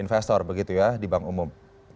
investor begitu ya di bank umum